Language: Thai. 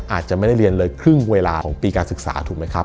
อาจจะไม่ได้เรียนเลยครึ่งเวลาของปีการศึกษาถูกไหมครับ